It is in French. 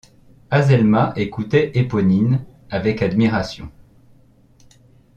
Azelma écoutait Éponine avec admiration.